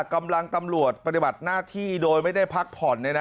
กำลังตำรวจปฏิบัติหน้าที่โดยไม่ได้พักผ่อน